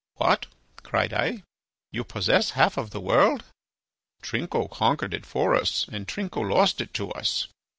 "What!" cried I, "you possess half of the world." "Trinco conquered it for us, and Trinco lost it to us.